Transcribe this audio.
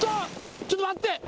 ちょっと待って。